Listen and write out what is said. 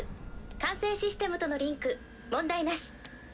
管制システムとのリンク問題なし。